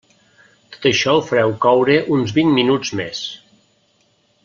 Tot això ho fareu coure uns vint minuts més.